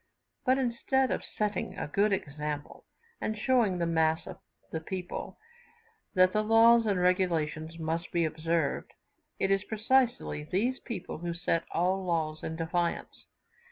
But, instead of setting a good example, and showing the mass of the people that the laws and regulations must be observed, it is precisely these people who set all laws at defiance.